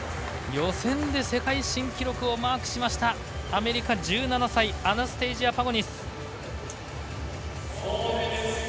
予選で世界新記録をマークしましたアメリカ、１７歳アナステイジア・パゴニス。